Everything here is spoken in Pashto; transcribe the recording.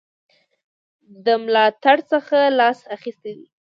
د ملاتړ څخه لاس اخیستی دی.